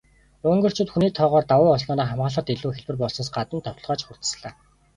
Унгарчууд хүний тоогоор давуу болсноороо хамгаалахад илүү хялбар болсноос гадна довтолгоо ч хурдаслаа.